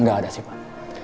gak ada sih pak